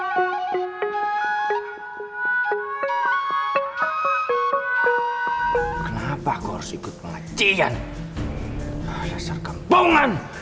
kemudian di madiyang